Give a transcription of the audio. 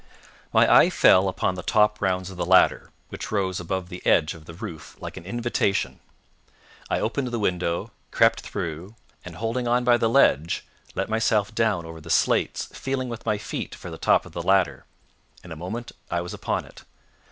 My eye fell upon the top rounds of the ladder, which rose above the edge of the roof like an invitation. I opened the window, crept through, and, holding on by the ledge, let myself down over the slates, feeling with my feet for the top of the ladder. In a moment I was upon it.